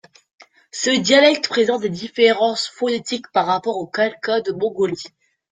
Ce dialecte présente des différences phonétiques par rapport au khalkha de Mongolie.